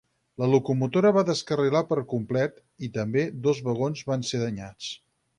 La locomotora va descarrilar per complet, i també dos vagons van ser danyats.